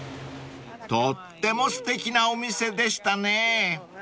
［とってもすてきなお店でしたね］